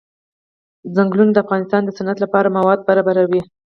ځنګلونه د افغانستان د صنعت لپاره مواد برابروي.